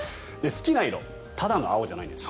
好きな色ただの青じゃないんです。